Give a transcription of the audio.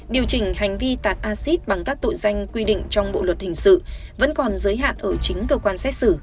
điều chỉnh hành vi tạc acid bằng các tội danh quy định trong bộ luật hình sự vẫn còn giới hạn ở chính cơ quan xét xử